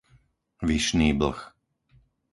Vyšný Blh